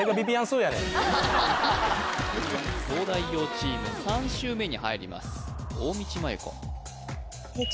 東大王チーム３周目に入ります大道麻優子